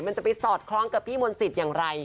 มันจะไปสอดคล้องกับพี่มนต์สิทธิ์อย่างไร